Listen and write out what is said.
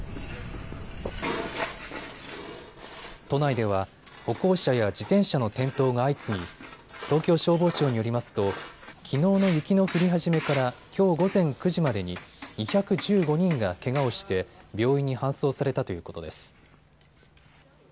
都内では歩行者や自転車の転倒が相次ぎ東京消防庁によりますときのうの雪の降り始めからきょう午前９時までに２１５人がけがをして病院に搬送されたということです。